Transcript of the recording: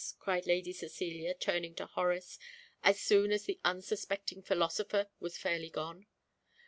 cried Lady Cecilia, turning to Horace, as soon as the unsuspecting philosopher was fairly gone.